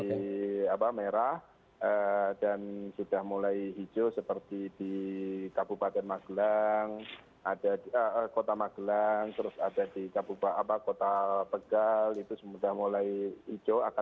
ada daerah daerah yang masih merah dan sudah mulai hijau seperti di kabupaten magelang ada di kota magelang terus ada di kota pegal itu sudah mulai hijau